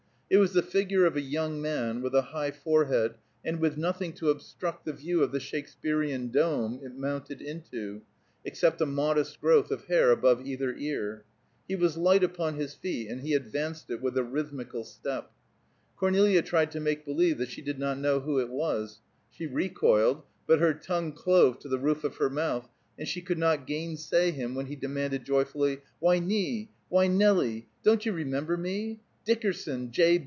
It was the figure of a young man, with a high forehead, and with nothing to obstruct the view of the Shakespearian dome it mounted into, except a modest growth of hair above either ear. He was light upon his feet, and he advanced with a rhythmical step. Cornelia tried to make believe that she did not know who it was; she recoiled, but her tongue clove to the roof of her mouth, and she could not gainsay him when he demanded joyfully, "Why, Nie! Why, Nelie! Don't you remember me? Dickerson, J.